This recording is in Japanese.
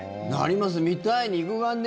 見たい、肉眼で。